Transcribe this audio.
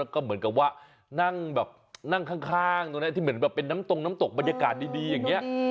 ก็เหมือนกับว่านั่งแบบนั่งข้างตรงนี้ที่เหมือนแบบเป็นน้ำตรงน้ำตกบรรยากาศดีอย่างนี้